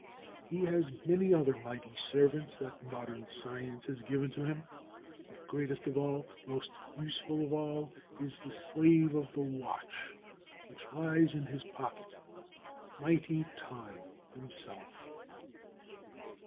He has many other mighty servants that modern science has given to him, but greatest of all, most useful of all, is the Slave of the Watch which lies in his pocket—mighty Time himself.